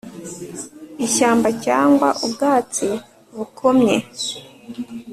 ishyamba cyangwa ubwatsi bukomye.